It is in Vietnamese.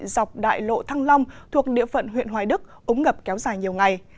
dọc đại lộ thăng long thuộc địa phận huyện hoài đức ống ngập kéo dài nhiều ngày